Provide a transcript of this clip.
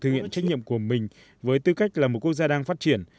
thực hiện trách nhiệm của mình với tư cách là một quốc gia đang phát triển